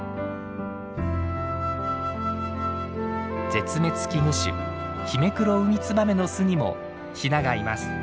絶滅危惧種ヒメクロウミツバメの巣にもヒナがいます。